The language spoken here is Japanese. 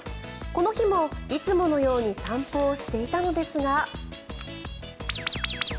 この日もいつものように散歩をしていたのですが。